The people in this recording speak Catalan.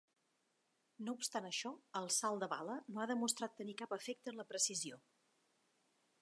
No obstant això, el "salt de bala" no ha demostrat tenir cap efecte en la precisió.